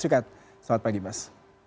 selamat pagi mas